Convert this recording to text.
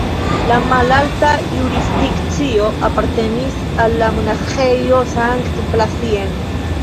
La malalta jurisdikcio apartenis al la Monaĥejo Sankt-Blasien.